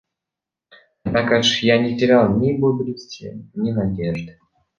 Однако ж я не терял ни бодрости, ни надежды.